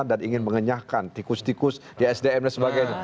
dan ingin mengenyahkan tikus tikus di sdm dan sebagainya